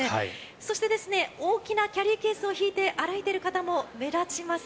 そして大きなキャリーケースを引いて歩いている方も目立ちます。